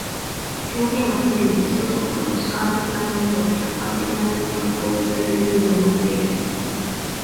表現はつねに内と外との、主観的なものと客観的なものとの統一という意味をもっている。